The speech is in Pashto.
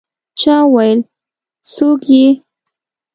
چا وویل: «څوک يې؟»